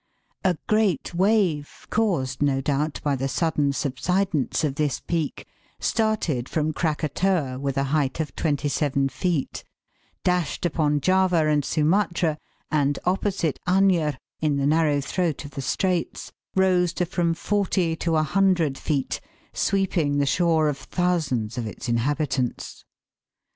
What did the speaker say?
A great wave, caused no doubt, by the sudden subsidence of this peak, started from Krakatoa with a height of twenty seven feet, dashed upon Java and Sumatra, and opposite Anjer, in the narrow throat of the Straits, rose to from forty to a hundred feet, sweeping the shore of thousands of its inhabitants.